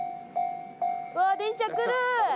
うわ電車来る！